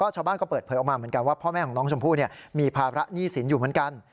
ชาวบ้านก็เปิดเผยออกมาเหมือนกันว่าพ่อแม่ของน้องชมพู่มีภาระหนี้สินอยู่เหมือนกัน